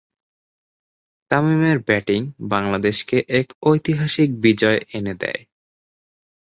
তামিমের ব্যাটিং বাংলাদেশকে এক ঐতিহাসিক বিজয় এনে দেয়।